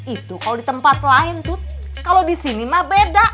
itu kalau di tempat lain tuh kalau di sini mah beda